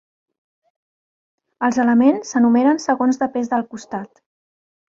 Els elements s'enumeren segons de pes del costat.